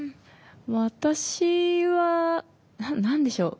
私は何でしょう。